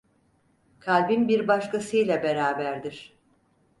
Kalbim bir başkasıyla beraberdir.